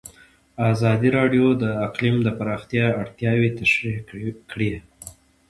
ازادي راډیو د اقلیم د پراختیا اړتیاوې تشریح کړي.